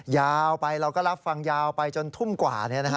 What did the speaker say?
ยาวไปเราก็รับฟังยาวไปจนทุ่มกว่า